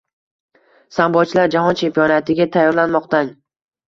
Sambochilar jahon chempionatiga tayyorlanmoqdang